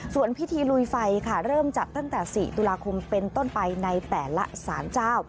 ส่วนพิธีลุยไฟค่ะเริ่มจัดตั้งแต่๔ตุลาคมเป็นต้นไปในแต่ละสารเจ้า